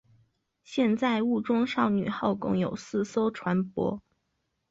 现在雾中少女号共有四艘船舶。